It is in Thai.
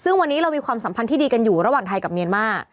ซึ่งวันนี้เรามีความสัมพันธ์ที่ดีกันอยู่ระหว่างไทยกับเมียนมา